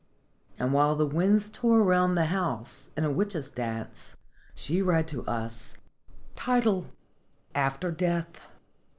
And, while the winds tore round the house in a witches' dance she read to us : "AFTER DEATH.